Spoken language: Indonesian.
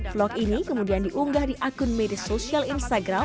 vlog ini kemudian diunggah di akun media sosial instagram